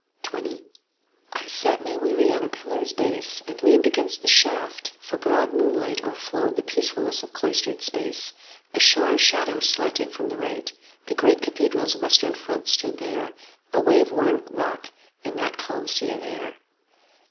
35 XX I sat me weary on a pillar's base, And leaned against the shaft; for broad moonlight O'erflowed the peacefulness of cloistered space, A shore of shadow slanting from the right: The great cathedral's western front stood there, 5 A wave worn rock in that calm sea of air.